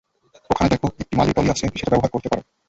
ওখানে দেখো, একটা মালের ট্রলি আছে, সেটা ব্যবহার করতে পারো।